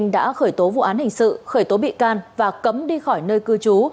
đã khởi tố vụ án hình sự khởi tố bị can và cấm đi khỏi nơi cư trú